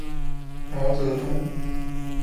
毛泽东